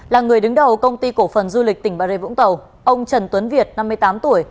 là người đứng đầu công ty cổ phần du lịch tỉnh bà rê vũng tàu ông trần tuấn việt năm mươi tám tuổi